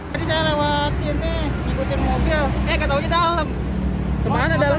tadi saya lewat sini ikutin mobil eh katanya dalam